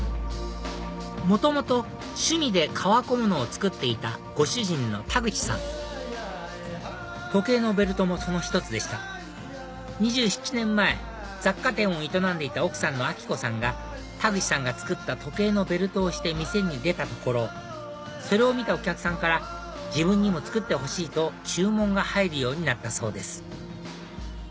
元々趣味で革小物を作っていたご主人の田口さん時計のベルトもその１つでした２７年前雑貨店を営んでいた奥さんの明子さんが田口さんが作った時計のベルトをして店に出たところそれを見たお客さんから自分にも作ってほしいと注文が入るようになったそうです